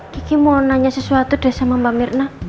kiki mau nanya sesuatu deh sama mbak mirna